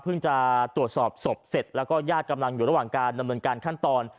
จะตรวจสอบศพเสร็จแล้วก็ญาติกำลังอยู่ระหว่างการดำเนินการขั้นตอน